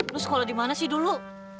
lo sekolah di mana sih dulu